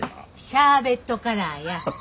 シャーベットカラーや。